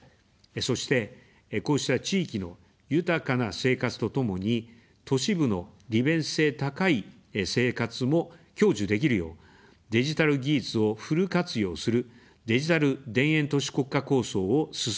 そして、こうした地域の豊かな生活とともに、都市部の利便性高い生活も享受できるよう、デジタル技術をフル活用する「デジタル田園都市国家構想」を進めます。